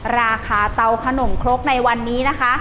ราคาเตาขนมครกในวันนี้นะคะ